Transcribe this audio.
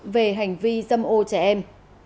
về hành vi dâm ô trẻ em